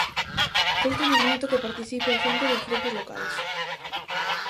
Gústanos moito que participe a xente dos grupos locais.